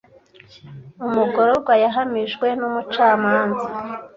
Umugororwa yahamijwe n’umucamanza.